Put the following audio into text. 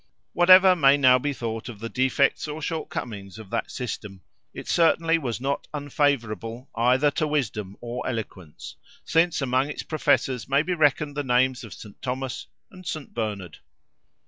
Whatever may now be thought of the defects or shortcomings of that system, it certainly was not unfavourable either to wisdom or eloquence, since among its professors may be reckoned the names of St. Thomas and St. Bernard.